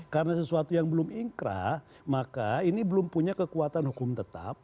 karena sesuatu yang belum inkrah maka ini belum punya kekuatan hukum tetap